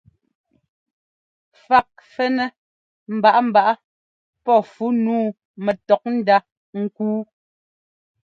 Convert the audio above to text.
Fák fɛ́nɛ́ mbaꞌámbaꞌá pɔ́ fú nǔu nɛtɔ́kndá ŋ́kúu.